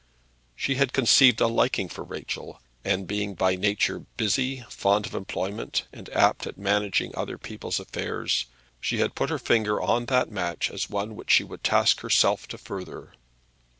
She had conceived a liking for Rachel; and being by nature busy, fond of employment, and apt at managing other people's affairs, she had put her finger on that match as one which she would task herself to further.